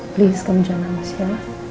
please kamu jangan nangis ya